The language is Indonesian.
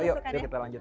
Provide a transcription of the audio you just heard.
yuk yuk kita lanjut